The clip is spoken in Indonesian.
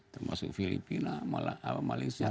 termasuk filipina malaysia